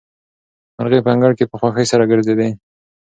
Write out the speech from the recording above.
مرغۍ په انګړ کې په خوښۍ سره ګرځېدې.